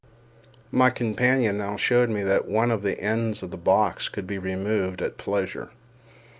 My companion now showed me that one of the ends of the box could be removed at pleasure.